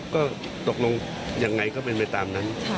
ก็ตกลงยังไงก็เป็นไปตามนั้น